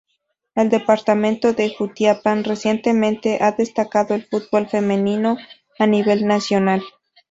El departamento de Jutiapa recientemente ha destacado el fútbol femenino a nivel nacional.